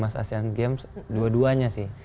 mas asean games dua duanya sih